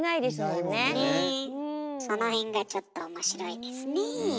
その辺がちょっと面白いですねえ。